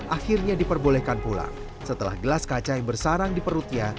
akhirnya diperbolehkan pulang setelah gelas kaca yang bersarang di perutnya